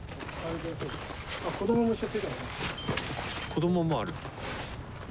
子どももある。